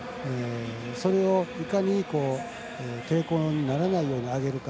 それを、いかに抵抗にならないように上げるか。